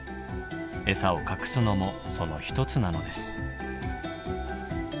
エサを隠すのもその一つなのです。